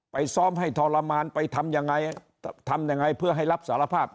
ซ้อมให้ทรมานไปทำยังไงทำยังไงเพื่อให้รับสารภาพ